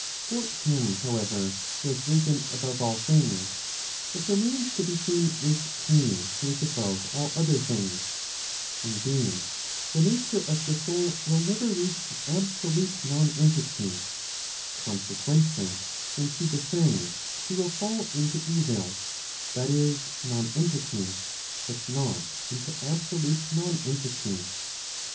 For him, however, who has risen above all things, what remains to be seen is He who is above all other things. Indeed, the nature of the soul will never reach absolute nonentity. Consequently, when she descends, she will fall into evil, that is, nonentity, but not into absolute nonentity.